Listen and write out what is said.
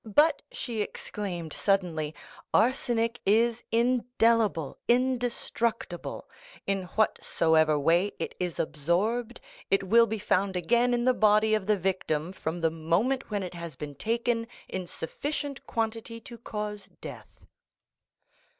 "But," she exclaimed, suddenly, "arsenic is indelible, indestructible; in whatsoever way it is absorbed, it will be found again in the body of the victim from the moment when it has been taken in sufficient quantity to cause death."